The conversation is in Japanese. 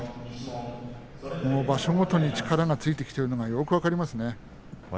場所ごとに力はついているのはよく分かります。